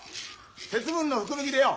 節分の福引きでよ